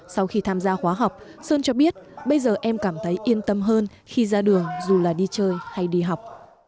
sau khi tham gia khóa học sơn cho biết bây giờ em cảm thấy yên tâm hơn khi ra đường dù là đi chơi hay đi học